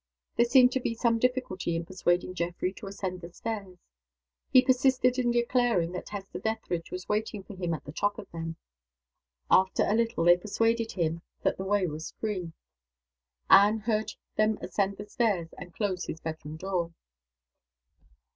There seemed to be some difficulty in persuading Geoffrey to ascend the stairs; he persisted in declaring that Hester Dethridge was waiting for him at the top of them. After a little they persuaded him that the way was free. Anne heard them ascend the stairs and close his bedroom door.